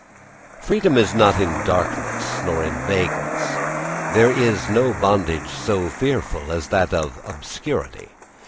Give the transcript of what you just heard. Freedom is not in darkness, nor in vagueness. There is no bondage so fearful as that of obscurity.